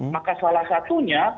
maka salah satunya